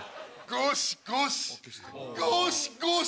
ゴシゴシゴシゴシ。